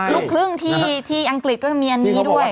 ลูกครึ่งที่อังกฤษก็จะมีอันนี้ด้วย